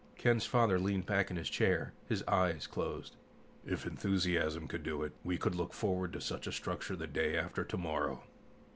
Ken's father leaned back in his chair, his eyes closed. "If enthusiasm could do it, we could look forward to such a structure the day after tomorrow."